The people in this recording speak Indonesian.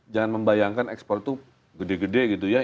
jangan membayangkan ekspor itu gede gede gitu ya